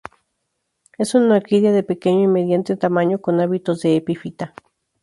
Es una orquídea de pequeño y mediano tamaño, con hábitos de epífita.